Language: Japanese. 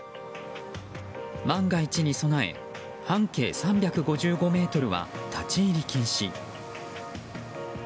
万が一に備え半径３５５ｍは立ち入り禁止。